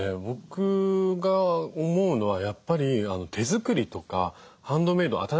僕が思うのはやっぱり手作りとかハンドメード